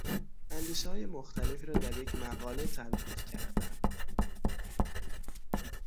اندیشههای مختلفی را در یک مقاله تلفیق کردن